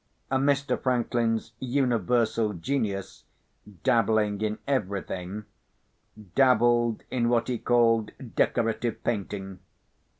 Mr. Franklin's universal genius, dabbling in everything, dabbled in what he called "decorative painting."